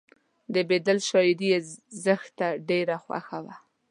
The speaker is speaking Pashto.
د بیدل شاعري یې زښته ډېره خوښه وه